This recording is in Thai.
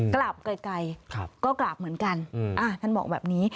กราบไกลก็กราบเหมือนกันท่านบอกแบบนี้